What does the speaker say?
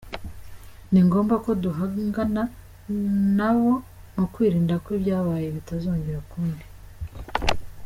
Ni ngomba ko duhangana na bo mu kwirinda ko ibyabaye bitazongera ukundi.”